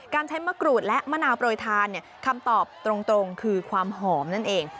ใช้มะกรูดและมะนาวโปรยทานคำตอบตรงคือความหอมนั่นเอง